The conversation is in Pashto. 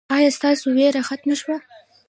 ایا ستاسو ویره ختمه شوه؟